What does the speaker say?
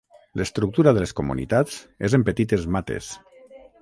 L'estructura de les comunitats és en petites mates.